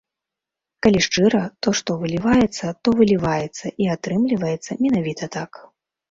Калі шчыра, то, што выліваецца, то выліваецца і атрымліваецца менавіта так.